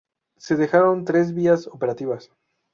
Se dejaron tres vías operativas.